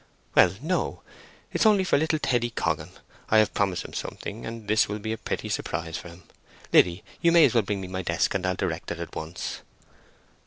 "Well, no. It is only for little Teddy Coggan. I have promised him something, and this will be a pretty surprise for him. Liddy, you may as well bring me my desk and I'll direct it at once."